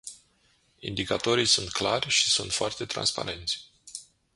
Indicatorii sunt clari și sunt foarte transparenți.